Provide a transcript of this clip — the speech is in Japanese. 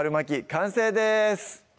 完成です